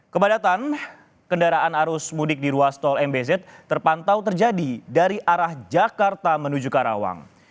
kepadatan kendaraan arus mudik di ruas tol mbz terpantau terjadi dari arah jakarta menuju karawang